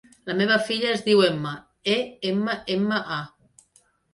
La meva filla es diu Emma: e, ema, ema, a.